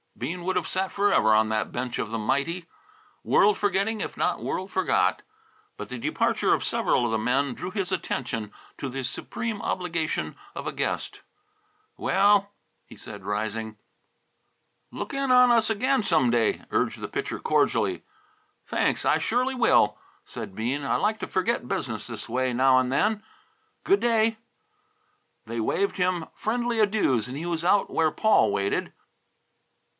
Bean would have sat forever on that bench of the mighty, world forgetting, if not world forgot. But the departure of several of the men drew his attention to the supreme obligation of a guest. "Well," he said, rising. "Look in on us again some day," urged the Pitcher cordially. "Thanks, I surely will," said Bean. "I like to forget business this way, now and then. Good day!" They waved him friendly adieus, and he was out where Paul waited.